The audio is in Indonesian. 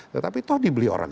tetapi toh dibeli orang